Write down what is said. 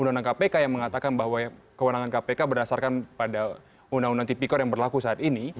undang undang kpk yang mengatakan bahwa kewenangan kpk berdasarkan pada undang undang tipikor yang berlaku saat ini